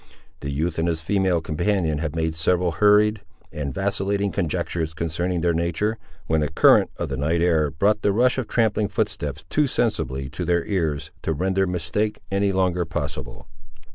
The youth and his female companion had made several hurried, and vacillating conjectures concerning their nature, when a current of the night air brought the rush of trampling footsteps, too sensibly, to their ears, to render mistake any longer possible.